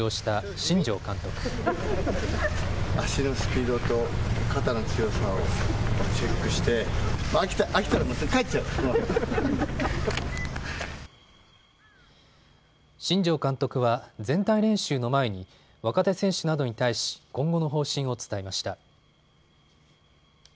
新庄監督は全体練習の前に若手選手などに対し今後の方針を伝えました。